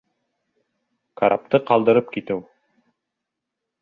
КАРАПТЫ ҠАЛДЫРЫП КИТЕҮ